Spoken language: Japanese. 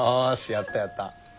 やったやった！